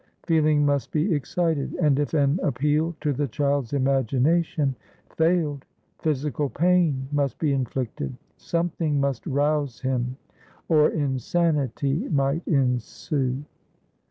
Feeling must be excited; and if an appeal to the child's imagination failed, phys ical pain must be inflicted. Something must rouse him, or insanity might ensue.